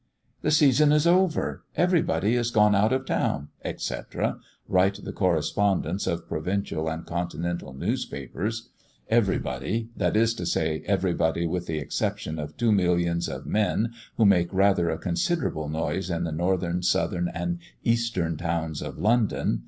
"The season is over! every body is gone out of town," etc., write the correspondents of provincial and continental newspapers "every body" that is to say, every body with the exception of two millions of men, who make rather a considerable noise in the northern, southern, and eastern towns of London.